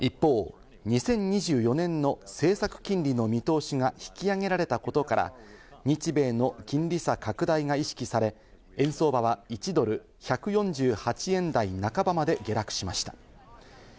一方、２０２４年の政策金利の見通しが引き上げられたことから、日米の金利差拡大が意識され、円相場は１ドル＝１４８円台半ばまで下落しました。